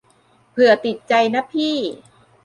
เผื่อติดใจนะพี่